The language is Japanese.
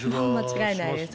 間違いないです